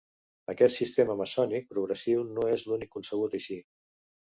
Aquest sistema Maçònic progressiu, no és l'únic concebut així.